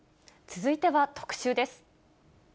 続いては特集です。